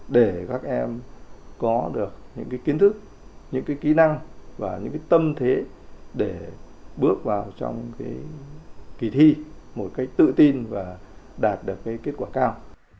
để các em có được những kiến thức những kỹ năng và những tâm thế để bước vào trong kỳ thi một cách tự tin và đạt được kết quả cao